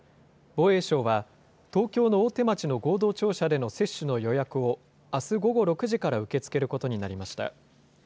防衛省は、東京の大手町の合同庁舎での接種の予約を、あす午後６時から受け付けることになりました。